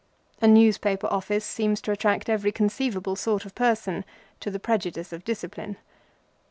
A newspaper office seems to attract every conceivable sort of person, to the prejudice of discipline.